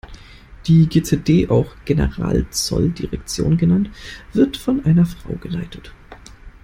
Die G-Z-D, auch Generalzolldirektion genannt wird von einer Frau geleitet.